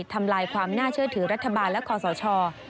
ทำลายความน่าเชื่อถือรัฐบาลและคอสช